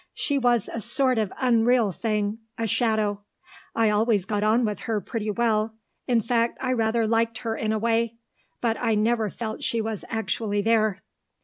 She was a sort of unreal thing a shadow. I always got on with her pretty well; in fact, I rather liked her in a way; but I never felt she was actually there."